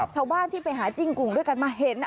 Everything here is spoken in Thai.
ชาวบ้านที่ไปหาจิ้งกุ่งด้วยกันมาเห็น